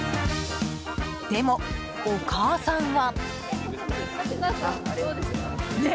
でも、お母さんは。